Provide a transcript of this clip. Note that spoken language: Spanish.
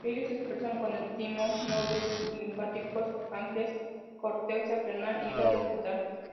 Ellos se expresan en el timo, nódulos linfáticos, páncreas, corteza adrenal, hígado fetal.